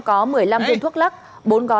có một mươi năm viên thuốc lắc bốn gó